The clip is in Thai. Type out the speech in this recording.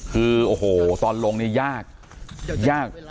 คือโอ้โหตอนลงเนี่ยยากยาก